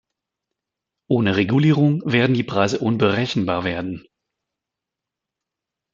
Ohne Regulierung werden die Preise unberechenbar werden.